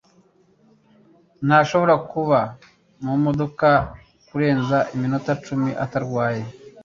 ntashobora kuba mumodoka kurenza iminota icumi atarwaye